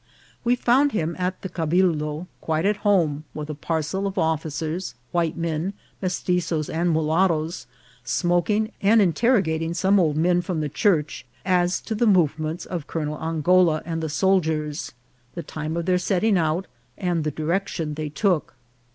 We found him at the cabildo, quite at home, with a parcel of officers, white men, Mestitzoes, and mulattoes, smoking, and in terrogating some old men from the church as to the movements of Colonel Angoula and the soldiers, the time of their setting out, and the direction they took.